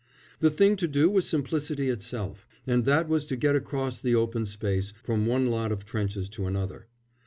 The thing to do was simplicity itself, and that was to get across the open space from one lot of trenches to another.